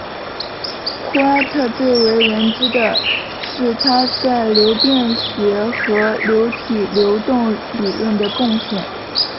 库埃特最为人所知的是他在流变学和流体流动理论的贡献。